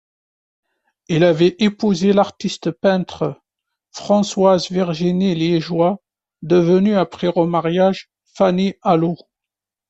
Il avait épousé l'artiste-peintre Françoise Virginie Liégeois, devenue après remariage Fanny Alaux.